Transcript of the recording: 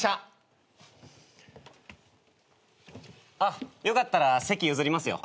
あっよかったら席譲りますよ。